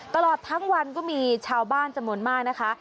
ตลอดทั้งวันก็มีชาวบ้านจำนวนมากนะคะ